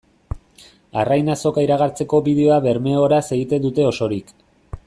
Arrain Azoka iragartzeko bideoa bermeoeraz egin dute osorik.